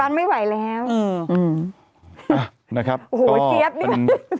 ปั้งไม่ไหวแล้วนะครับก็โอ้โฮเจี๊ยบนี่แม่